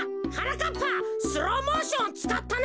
かっぱスローモーションをつかったな！